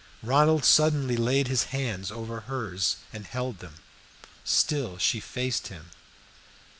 Ronald suddenly laid his hands over hers and held them. Still she faced him.